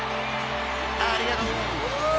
［ありがとう］